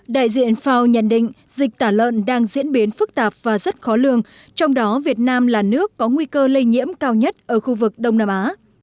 đại diện fao nhận định dịch tả lợn đang diễn biến phức tạp và rất khó lường trong đó việt nam là nước có nguy cơ lây nhiễm cao nhất ở khu vực đông nam á